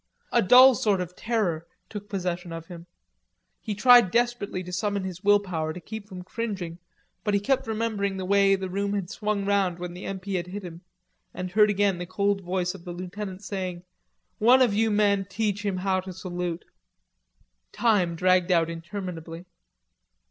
A dull sort of terror took possession of him. He tried desperately to summon his will power, to keep from cringing, but he kept remembering the way the room had swung round when the M.P. had hit him, and heard again the cold voice of the lieutenant saying: "One of you men teach him how to salute." Time dragged out interminably.